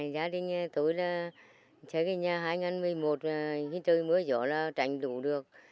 gia đình tôi là chơi cái nhà hai nghìn một mươi một khi trời mưa gió là trành lũ được